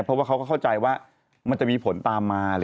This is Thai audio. เพราะว่าเขาก็เข้าใจว่ามันจะมีผลตามมา